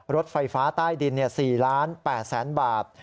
รถไฟฟ้าใต้ดิน๔๘๐๐๐บาท